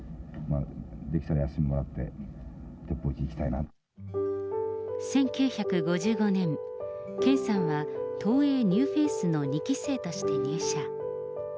できたら休みもらって、１９５５年、健さんは東映ニューフェイスの２期生として入社。